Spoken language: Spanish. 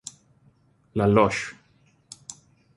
La Loge